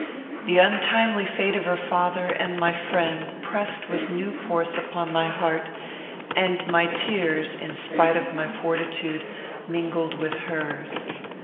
The untimely fate of her father and my friend pressed with new force upon my heart, and my tears, in spite of my fortitude, mingled with hers.